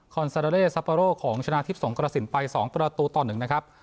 ของชนะทิบส่งกรสินไปสองประตูต่อหนึ่งนะครับ